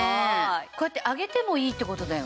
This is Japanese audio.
こうやって揚げてもいいって事だよね？